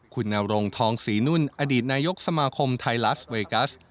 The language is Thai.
คุณนรงทองศรีนุ่นอดีตนายกสมาคมไทยลัสเวกัส